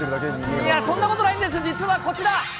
いや、そんなことないんです、実はこちら。